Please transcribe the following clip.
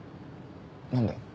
何で？